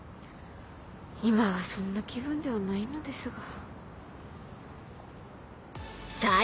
今はそんな気分ではないのですが。